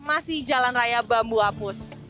masih jalan raya bambu apus